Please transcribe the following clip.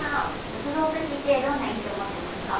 仏像と聞いてどんな印象を持ってますか？